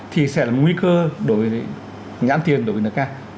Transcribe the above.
thì sẽ là nguy cơ đổi nhãn tiền đổi nợ ca